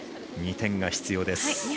２点が必要です。